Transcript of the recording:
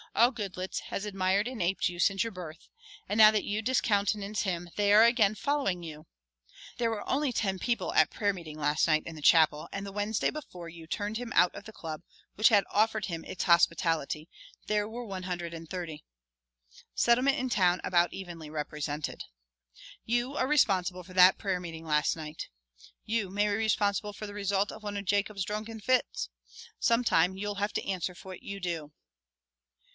All Goodloets has admired and aped you since your birth, and now that you discountenance him they are again following you. There were only ten people at prayer meeting last night in the chapel, and the Wednesday before you turned him out of the Club which had offered him its hospitality, there were one hundred and thirty, Settlement and Town about evenly represented. You are responsible for that prayer meeting last night. You may be responsible for the result of one of Jacob's drunken fits. Sometime you'll have to answer for what you do."